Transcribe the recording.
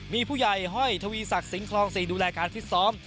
มีผู้ใหญ่ห้อยทวีศักดิ์สิงคลอง๔ดูแลการฟิตซ้อม